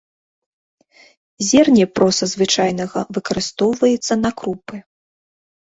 Зерне проса звычайнага выкарыстоўваецца на крупы.